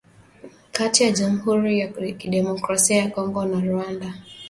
kati ya jamhuri ya kidemokrasia ya Kongo na Rwanda